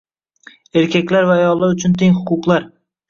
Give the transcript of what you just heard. «Erkaklar va ayollar uchun teng huquqlar